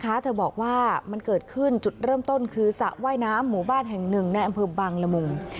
เธอบอกว่ามันเกิดขึ้นจุดเริ่มต้นคือสระว่ายน้ำหมู่บ้านแห่งหนึ่งในอำเภอบางละมุง